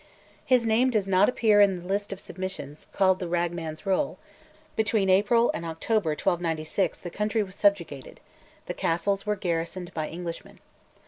His name does not appear in the list of submissions called "The Ragman's Roll." Between April and October 1296 the country was subjugated; the castles were garrisoned by Englishmen.